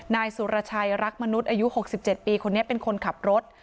นายสุรชัยรักมนุษย์อายุ๖๗ปีคนนี้เป็นคนขับรถ